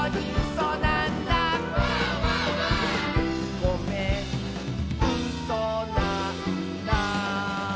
「ごめんうそなんだ」